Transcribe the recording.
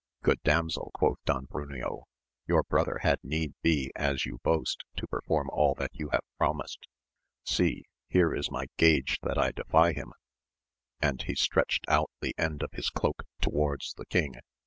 . Good damsel, quoth Don Bruneo, your brother had need be as you boast to perform all that you have promised ! See, here is my gage that I defy him, and AMADIS OF GAUL. 85 he stretched out the end of his cloak towards the king.